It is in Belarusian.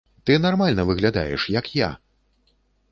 Ты нармальна выглядаеш, як я!